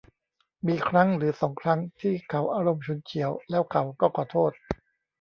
มีครั้งหรือสองครั้งที่เขาอารมณ์ฉุนเฉียว แล้วเขาก็ขอโทษ